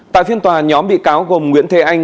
tại phiên tòa nhóm bị cáo gồm nguyễn thế anh